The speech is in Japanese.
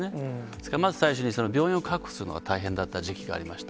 ですから、まず最初に病院を確保するのが大変だった時期がありました。